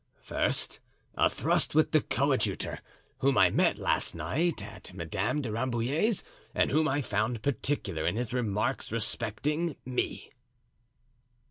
"First, a thrust with the coadjutor, whom I met last night at Madame de Rambouillet's and whom I found particular in his remarks respecting me."